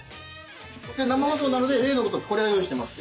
生放送なので例のごとくこれを用意してます。